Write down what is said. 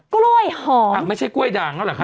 กล้วยหอมไม่ใช่กล้วยด่างแล้วหรือครับ